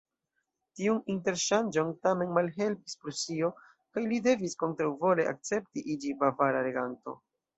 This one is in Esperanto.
Tiun interŝanĝon tamen malhelpis Prusio, kaj li devis kontraŭvole akcepti iĝi bavara reganto.